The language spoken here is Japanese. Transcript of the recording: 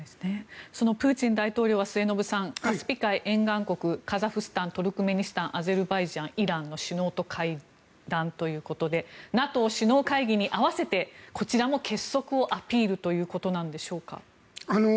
そのプーチン大統領は末延さん、カスピ海沿岸国カザフスタントルクメニスタンアゼルバイジャンイランの首脳と会談ということでＮＡＴＯ首脳会議に合わせてこちらも結束をアピールということなんでしょうか。